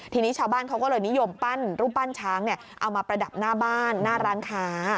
ทีนี้ชาวบ้านเขาก็เลยนิยมปั้นรูปปั้นช้างเอามาประดับหน้าบ้านหน้าร้านค้า